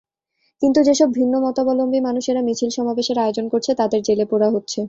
কিন্তু যেসব ভিন্নমতাবলম্বী মানুষেরা মিছিল-সমাবেশের আয়োজন করছে, তাদের জেলে পোরা হচ্ছে।